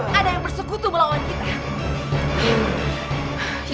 kita pukul saja lidahnya